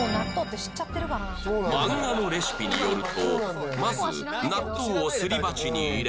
漫画のレシピによるとまず納豆をすり鉢に入れ